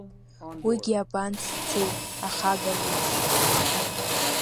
Уигьы абанс дцеит ахага леиԥш?